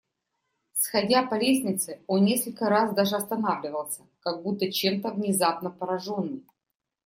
Сходя по лестнице, он несколько раз даже останавливался, как будто чем-то внезапно пораженный.